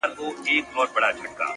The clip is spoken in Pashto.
پاس پر پالنگه اكثر،